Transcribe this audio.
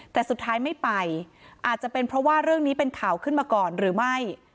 แต่สุดท้ายไม่ไปอาจจะเป็นเพราะว่าเรื่องนี้เป็นข่าวขึ้นมาก่อนหรือไม่